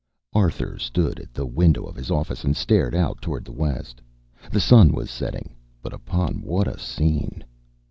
Arthur stood at the window of his office and stared out toward the west. The sun was setting, but upon what a scene!